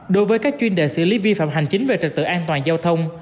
đối với các chuyên đề xử lý vi phạm hành chính về trật tự an toàn giao thông